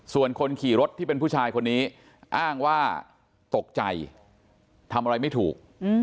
ส่วนคนขี่รถที่เป็นผู้ชายคนนี้อ้างว่าตกใจทำอะไรไม่ถูก